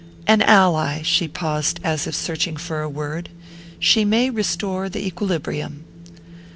"An ally." She paused, as if searching for a word. "She may restore the equilibrium."